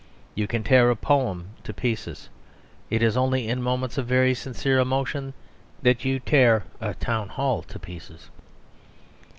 You can tear a poem to pieces; it is only in moments of very sincere emotion that you tear a town hall to pieces.